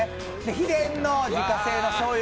秘伝の自家製しょうゆ